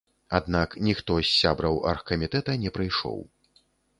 Аднак ніхто з сябраў аргкамітэта не прыйшоў.